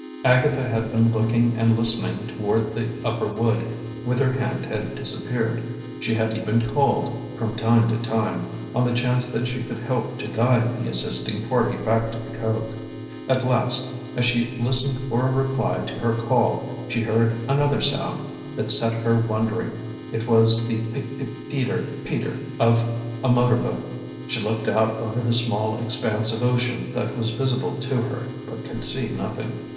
Agatha had been looking and listening toward the upper wood, whither Hand had disappeared. She had even called, from time to time, on the chance that she could help to guide the assisting party back to the cove. At last, as she listened for a reply to her call, she heard another sound that set her wondering; it was the p p peter peter of a motor boat. She looked out over the small expanse of ocean that was visible to her, but could see nothing.